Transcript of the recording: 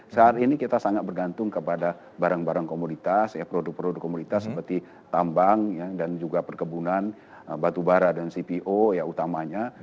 saat ini kita sangat bergantung kepada barang barang komoditas produk produk komoditas seperti tambang dan juga perkebunan batubara dan cpo ya utamanya